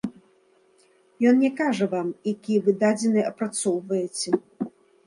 Ён не кажа вам, якія вы дадзеныя апрацоўваеце.